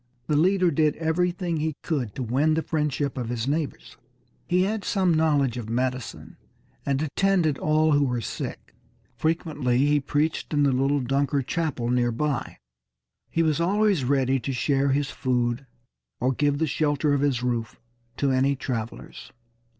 The leader did everything he could to win the friendship of his neighbors. He had some knowledge of medicine, and attended all who were sick. Frequently he preached in the little Dunker chapel near by. He was always ready to share his food or give the shelter of his roof to any travelers.